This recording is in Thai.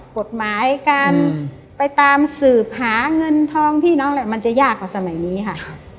กฎหมายการไปตามสืบหาเงินทองพี่น้องแหละมันจะยากกว่าสมัยนี้ค่ะ